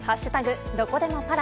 どこでもパラ。